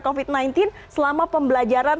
covid sembilan belas selama pembelajaran